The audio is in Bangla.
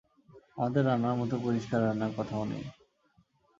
আমাদের রান্নার মত পরিষ্কার রান্না কোথাও নেই।